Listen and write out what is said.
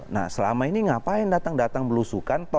nah selama ini ngapain datang datang belusukan